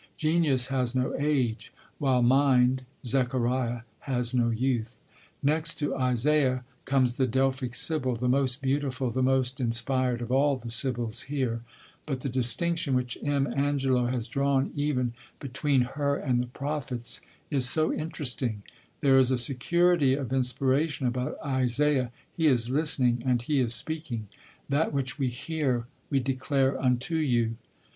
Genius has no age, while mind (Zechariah) has no youth. Next to Isaiah comes the Delphic Sibyl, the most beautiful, the most inspired of all the Sibyls here; but the distinction which M. Angelo has drawn even between her and the Prophets is so interesting. There is a security of inspiration about Isaiah; he is listening and he is speaking; "that which we hear we declare unto you."